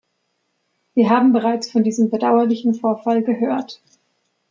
Wir haben bereits von diesem bedauerlichen Vorfall gehört.